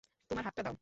তোমার হাতটা দাও।